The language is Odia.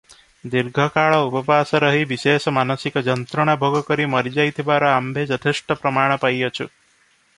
ଦୀର୍ଘକାଳ ଉପବାସ ରହି ବିଶେଷ ମାନସିକ ଯନ୍ତ୍ରଣା ଭୋଗକରି ମରିଯାଇଥିବାର ଆମ୍ଭେ ଯଥେଷ୍ଟ ପ୍ରମାଣ ପାଇଅଛୁ ।